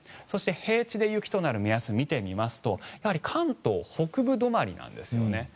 そして平地で雪となる目安を見てみますとやはり関東北部止まりなんですね。